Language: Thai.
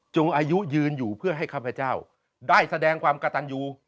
อายุยืนอยู่เพื่อให้ข้าพเจ้าได้แสดงความกระตันยู